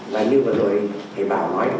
và như vừa rồi thầy bảo nói